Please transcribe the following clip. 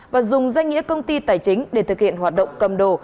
và dùng danh nghĩa công ty tài chính để thực hiện hoạt động cầm đồ